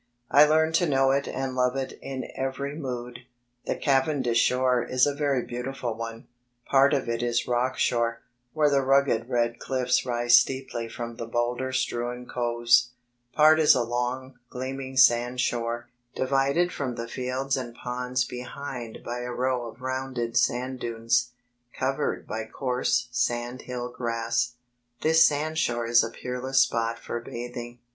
I learned to know it and love it in every mood. The Cavendish shore is a very beaudful one; part of it is rock shore, where the rugged red cliffs rise steeply from the boulder strewn coves. Part is a long, gleaming sand shore, divided from the fields and ponds behind by a row of rounded sand dunes, covered by coarse sand hill grass. This sandshore is a peerless spot for bathing.